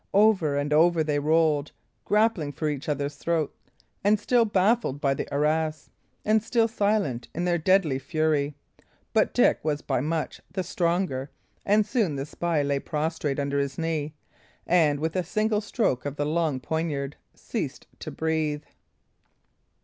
Over and over they rolled, grappling for each other's throat, and still baffled by the arras, and still silent in their deadly fury. But Dick was by much the stronger, and soon the spy lay prostrate under his knee, and, with a single stroke of the long poniard, ceased to breathe.